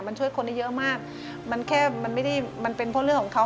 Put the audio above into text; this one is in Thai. มันช่วยคนได้เยอะมากมันเป็นเพราะเรื่องของเขา